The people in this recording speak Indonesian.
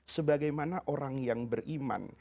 sebagaimana orang yang beriman